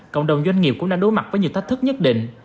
cộng đồng doanh nghiệp cũng đang đối mặt với nhiều thách thức nhất định